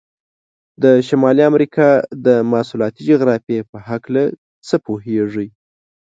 د شمالي امریکا د مواصلاتي جغرافیې په هلکه څه پوهیږئ؟